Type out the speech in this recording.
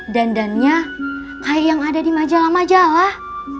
dandannya kayak yang ada di majalah majalah